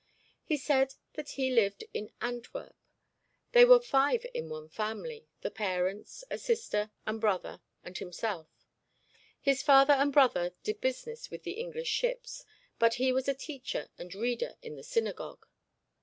He said that he lived in Antwerp. They were five in one family the parents, a sister and brother, and himself. His father and brother did business with the English ships, but he was a teacher and reader in the synagogue.